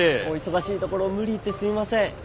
お忙しいところ無理言ってすいません。